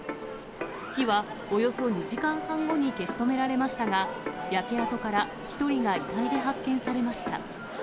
火はおよそ２時間半後に消し止められましたが、焼け跡から１人が遺体で発見されました。